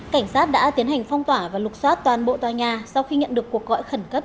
cảnh sát đã tiến hành phong tỏa và lục xót toàn bộ tòa nhà sau khi nhận được cuộc gọi khẩn cấp chín trăm một mươi một